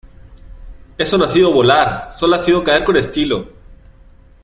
¡ Eso no ha sido volar! ¡ sólo ha sido caer con estilo !